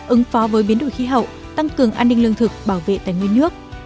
ứng phó với biến đổi khí hậu tăng cường an ninh lương thực bảo vệ tài nguyên nước